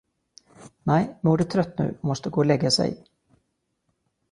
Nej, mor är trött nu och måste gå och lägga sig.